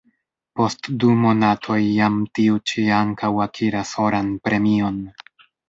Post du monatoj jam tiu ĉi ankaŭ akiras oran premion.